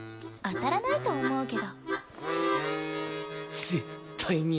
当たらないと思うけど。